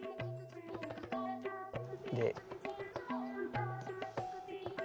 で。